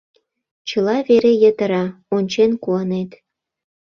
Чыла вере йытыра, ончен куанет!